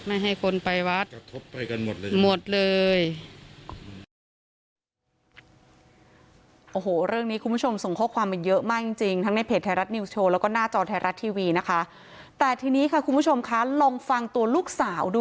ไม่ให้คนไปวัดกระทบไปกันหมดเลย